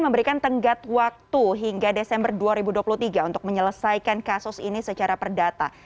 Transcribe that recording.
memberikan tenggat waktu hingga desember dua ribu dua puluh tiga untuk menyelesaikan kasus ini secara perdata